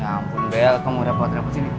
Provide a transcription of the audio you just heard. ya ampun bel kamu bawa bawa drapo sini